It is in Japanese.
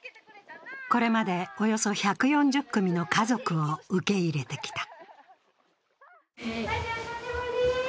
これまでおよそ１４０組の家族を受け入れてきた。